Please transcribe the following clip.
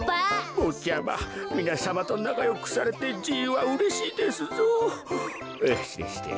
ぼっちゃまみなさまとなかよくされてじいはうれしいですぞ。